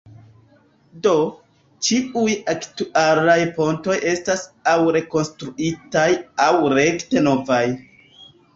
Do, ĉiuj aktualaj pontoj estas aŭ rekonstruitaj aŭ rekte novaj.